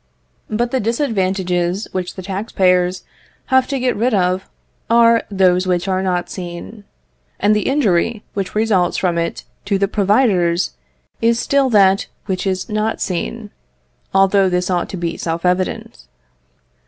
But the disadvantages which the tax payers have to get rid of are those which are not seen. And the injury which results from it to the providers is still that which is not seen, although this ought to be self evident.